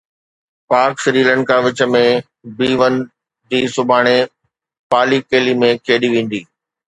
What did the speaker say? پاڪ سريلنڪا وچ ۾ ٻي ون ڊي سڀاڻي پالي ڪيلي ۾ کيڏي ويندي